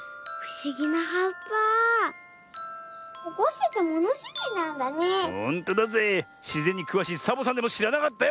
しぜんにくわしいサボさんでもしらなかったよ